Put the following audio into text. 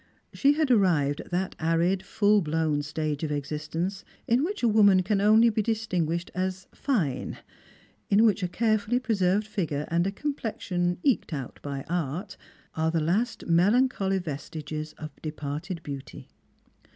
She had arrived at that arid full blown stage of existence in which a woman can only be distinguished as fine, in which a carefully preserved figure and a complexion eked out by art are the last melancholy vestiges of departed beauty.